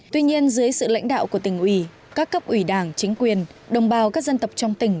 tuy nhiên dưới sự lãnh đạo của tỉnh ủy các cấp ủy đảng chính quyền đồng bào các dân tộc trong tỉnh